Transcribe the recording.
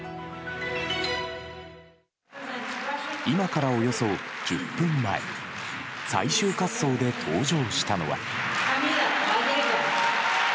今からおよそ１０分前最終滑走で登場したのは。